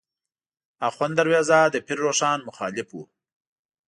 آخوند دروېزه د پیر روښان مخالف و.